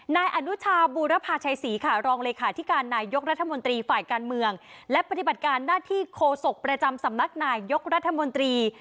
นายอนุชาบูรพาชัยศรีค่ะรองเลขาธิการนายกรัฐมนตรีฝ่ายการเมืองและปฏิบัติการหน้าที่โคศกประจำสำนักนายยกรัฐมนตรี